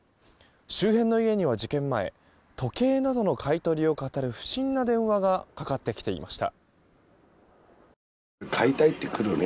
周辺の家には事件前時計などの買い取りをかたる不審な電話がかかってきていました。